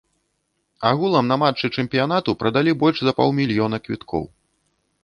Агулам на матчы чэмпіянату прадалі больш за паўмільёна квіткоў.